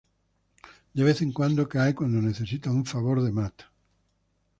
De vez en cuando cae cuando necesita un favor de Matt.